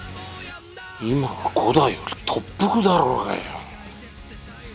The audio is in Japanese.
今は伍代より特服だろうがよぉ。